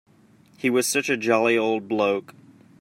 He was such a jolly old bloke.